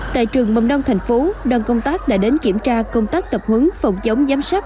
tại trường mông đông tp đoàn công tác đã đến kiểm tra công tác tập hứng phòng chống giám sát